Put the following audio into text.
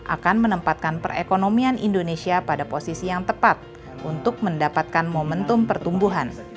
akan menempatkan perekonomian indonesia pada posisi yang tepat untuk mendapatkan momentum pertumbuhan